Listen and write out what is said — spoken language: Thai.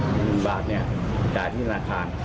หนึ่งบาทนี่จ่ายที่ธนาคาร